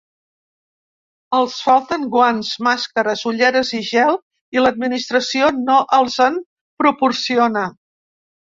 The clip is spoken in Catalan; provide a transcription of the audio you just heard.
Els falten guants, màscares, ulleres i gel i l’administració no els en proporciona.